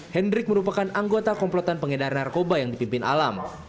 hendrik merupakan anggota komplotan pengedar narkoba yang dipimpin alam